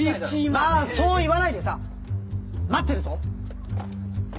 まぁそう言わないでさ待ってるぞ！